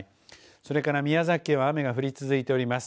それから宮崎は雨が降り続いております。